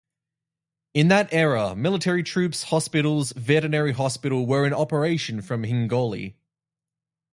In that era military troops, hospitals, veterinary hospital were in operation from Hingoli.